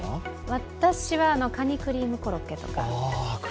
私はかにクリームコロッケとか。